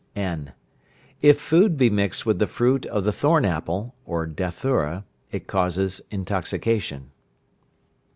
(n). If food be mixed with the fruit of the thorn apple (Dathura) it causes intoxication.